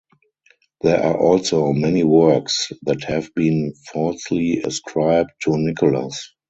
There are also many works that have been falsely ascribed to Nicholas.